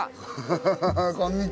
ハハハこんにちは。